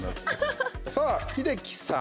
さあ、英樹さん。